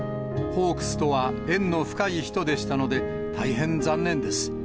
ホークスとは縁の深い人でしたので、大変残念です。